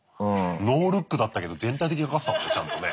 ノールックだったけど全体的にかかってたもんねちゃんとね。